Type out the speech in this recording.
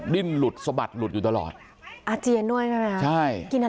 ดิ้นหลุดสบัดหลุดอยู่ตลอดอาเจียนด้วยนะครับใช่